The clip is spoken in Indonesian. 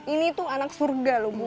ini tuh anak surga loh bu